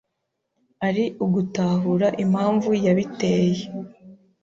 ari ugutahura impamvu yabiteye